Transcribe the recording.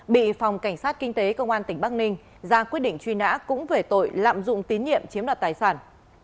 bị phòng cảnh sát kinh tế công an tỉnh bắc ninh ra quyết định truy nã cũng về tội lạm dụng tín nhiệm chiếm đoạt tài sản